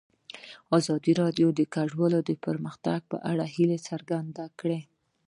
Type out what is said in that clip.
ازادي راډیو د کډوال د پرمختګ په اړه هیله څرګنده کړې.